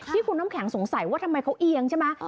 ที่คุณน้ำแข็งสงสัยว่าทำไมเขาเอียงใช่ไหม